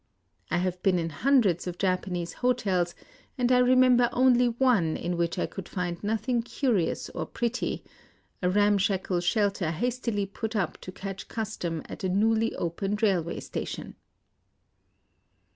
I have been in hundreds of Japanese hotels, and I remember only one in which I could find nothing curious or pretty, — a ramshackle shelter hastily put up to catch custom at a newly opened railway station.